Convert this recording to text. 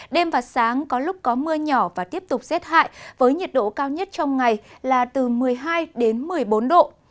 đêm và sáng có lúc có mưa nhỏ và tiếp tục rét hại với nhiệt độ cao nhất trong ngày là từ một mươi hai đến một mươi bốn độ